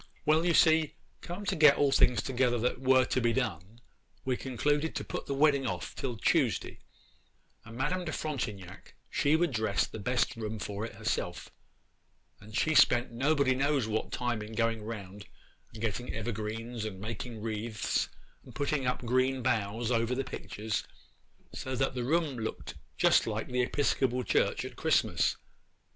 Well, you see, come to get all things together that were to be done, we concluded to put off the wedding till Tuesday; and Madame de Frontignac she would dress the best room for it herself, and she spent nobody knows what time in going round and getting evergreens, and making wreaths, and putting up green boughs over the pictures, so that the room looked just like the Episcopal Church at Christmas.